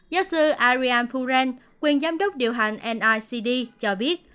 giáo sư ariane puran quyền giám đốc điều hành nicd cho biết